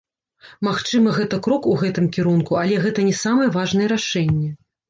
Магчыма, гэта крок у гэтым кірунку, але гэта не самыя важныя рашэнні.